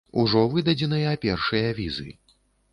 Ужо выдадзеныя першыя візы.